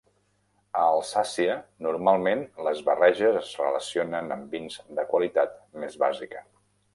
A Alsàcia, normalment les barreges es relacionen amb vins de qualitat més bàsica.